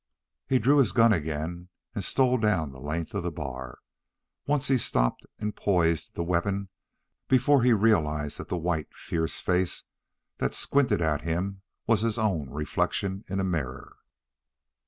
He drew his gun again and stole down the length of the bar. Once he stopped and poised the weapon before he realized that the white, fierce face that squinted at him was his own reflection in a mirror.